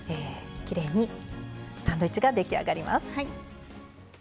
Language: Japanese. きれいにサンドイッチが出来上がります。